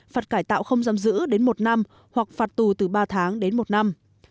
phạt cải tạo không giam giữ đến một năm hoặc phạt tù từ ba tháng đến một năm